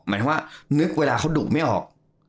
หมายถึงว่านึกเวลาเขาดุไม่ออก